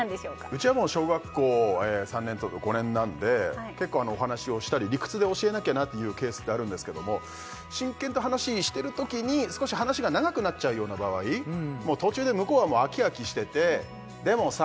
うちはもう小学校３年とか５年なんで結構お話をしたり理屈で教えなきゃなっていうケースってあるんですけども真剣な話してるときに少し話が長くなっちゃうような場合途中で向こうは飽き飽きしてて「でもさ」